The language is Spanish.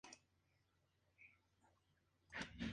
Son coautores de "Los pies en la tierra.